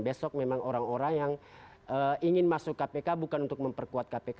besok memang orang orang yang ingin masuk kpk bukan untuk memperkuat kpk